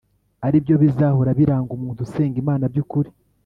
ari byo bizahora biranga umuntu usenga imana by’ukuri